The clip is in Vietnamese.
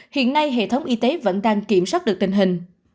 hiện nay hệ thống y tế vẫn đang kiểm soát được tình hình